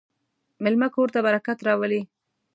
مېلمه کور ته برکت راولي.